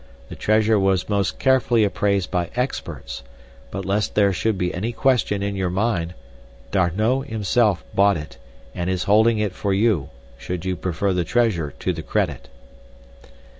The treasure was most carefully appraised by experts, but lest there should be any question in your mind, D'Arnot himself bought it and is holding it for you, should you prefer the treasure to the credit."